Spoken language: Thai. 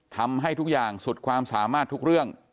ทำให้ทุกอย่างสุดความสามารถทุกเรื่อง